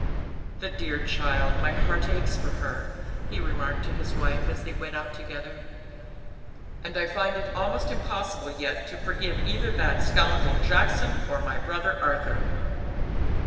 "The dear child; my heart aches for her," he remarked to his wife, as they went out together, "and I find it almost impossible yet to forgive either that scoundrel Jackson or my brother Arthur."